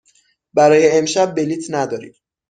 برای امشب بلیط نداریم.